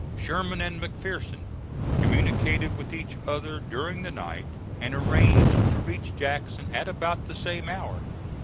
Sherman and McPherson communicated with each other during the night and arranged to reach Jackson at about the same hour.